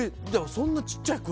そんな小っちゃい国？